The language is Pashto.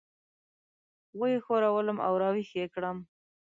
وه یې ښورولم او راويښ یې کړم.